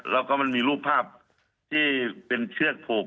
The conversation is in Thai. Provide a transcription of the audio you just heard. แล้วก็มันมีรูปภาพที่เป็นเชือกผูก